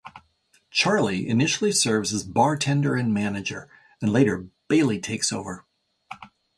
Charlie initially serves as bartender and manager, and later Bailey takes over.